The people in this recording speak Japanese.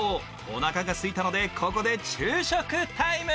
おなかがすいたので、ここで昼食タイム。